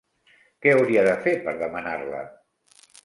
Que hauria de fer per demanar-la?